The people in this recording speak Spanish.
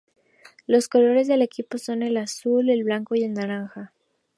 Los colores del equipo son el azul, el blanco y el naranja.